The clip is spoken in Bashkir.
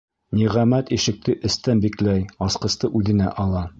Ниғәмәт ишекте эстән бикләй, асҡысты үҙенә ала.